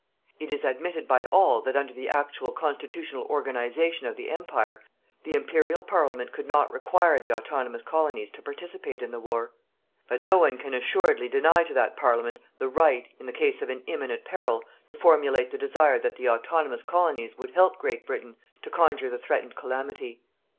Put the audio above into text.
It is admitted by all that under the actual constitutional organization of the Empire, the Imperial Parliament could not require the autonomous colonies to participate in the war. But no one can assuredly deny to that Parliament the right, in the case of an imminent peril, to formulate the desire that the autonomous colonies would help Great Britain to conjure the threatened calamity.